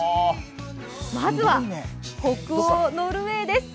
まずは北欧・ノルウェーです。